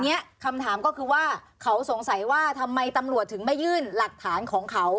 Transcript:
เนี้ยคำถามก็คือว่าเขาสงสัยว่าทำไมตำรวจถึงไม่ยื่นหลักฐานของเขา